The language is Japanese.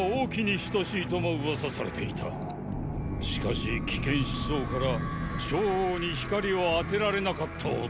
しかし危険思想から昭王に光を当てられなかった男。